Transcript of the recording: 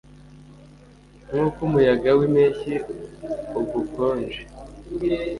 nkuko umuyaga wimpeshyi ugukonje